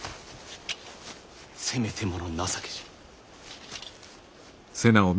せめてもの情けじゃ。